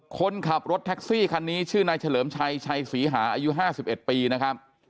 คนขับรถแท็กซี่คันนี้ชื่อนายเฉลิมชัยชัยศรีหาอายุ๕๑ปีนะครับ